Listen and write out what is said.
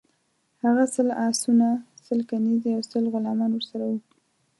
هغه سل آسونه، سل کنیزي او سل غلامان ورسره وه.